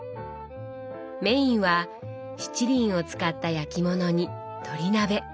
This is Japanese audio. メインは七輪を使った焼き物に鳥鍋。